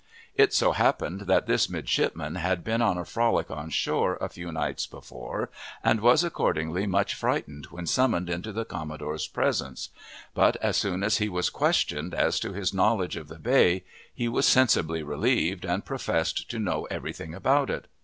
It so happened that this midshipman had been on a frolic on shore a few nights before, and was accordingly much frightened when summoned into the commodore's presence, but as soon as he was questioned as to his knowledge of the bay, he was sensibly relieved, and professed to know every thing about it.